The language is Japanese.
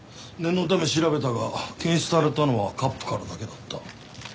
念のため調べたが検出されたのはカップからだけだった。